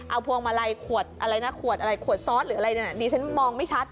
เอาพวงมาลัยขวดอะไรนะขวดอะไรขวดซอสหรืออะไรนั่นน่ะดิฉันมองไม่ชัด